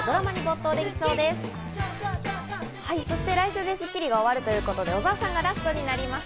そして来週で『スッキリ』が終わるということで小澤さんがラストになります。